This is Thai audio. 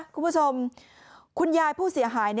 คุณผู้ชมคุณยายผู้เสียหาย